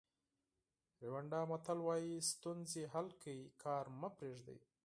ریوانډا متل وایي ستونزې حل کړئ کار مه پریږدئ.